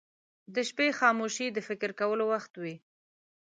• د شپې خاموشي د فکر کولو وخت وي.